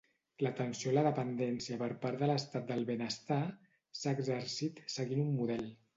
L'atenció a la dependència per part de l'Estat del Benestar s'ha exercit seguint un model.